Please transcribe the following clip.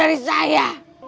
lepur dari saya